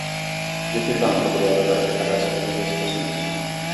De que forma poderia ela agora preparar as horríveis poções?